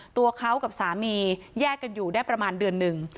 ตัวเขากับสามีแยกกันอยู่ได้ประมาณเดือนหนึ่ง